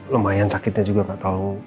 lumayan sakitnya juga gak tau